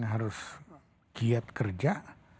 harus giat kerja